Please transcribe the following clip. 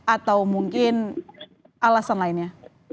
atau mungkin alasan lainnya